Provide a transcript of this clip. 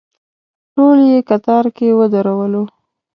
ټول یې کتار کې ودرولو.